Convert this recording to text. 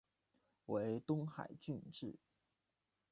为东海郡治。